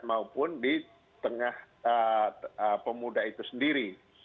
maupun di tengah pemuda itu sendiri